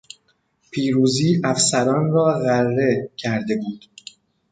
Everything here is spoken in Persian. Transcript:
پیروزی افسران را غره کرده بود.